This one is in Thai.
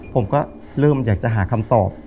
ผมก็เริ่มอยากจะหาคำตอบ